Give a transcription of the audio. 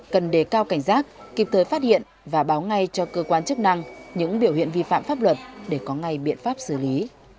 cần đề cao cảnh giác kịp thời phát hiện và báo ngay cho cơ quan chức năng những biểu hiện vi phạm pháp luật để có ngay biện pháp xử lý